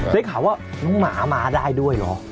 ได้ข่าวว่าน้องหมามาได้ด้วยเหรอ